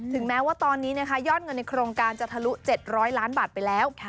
แม้ว่าตอนนี้นะคะยอดเงินในโครงการจะทะลุ๗๐๐ล้านบาทไปแล้ว